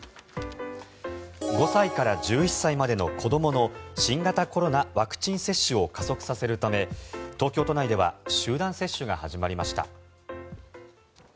５歳から１１歳までの子どもの新型コロナワクチン接種を加速させるため東京都内では集団接種が始まりました。